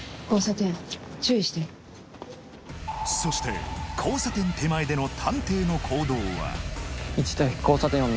そして交差点手前での探偵の行動は？